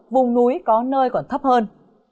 vùng núi có nơi còn thấp hơn